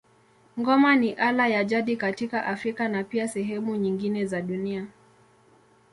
Ngoma ni ala ya jadi katika Afrika na pia sehemu nyingine za dunia.